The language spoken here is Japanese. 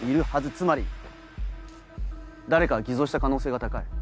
つまり誰かが偽造した可能性が高い。